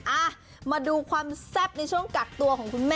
อ่ะมาดูความแซ่บในช่วงกักตัวของคุณแม่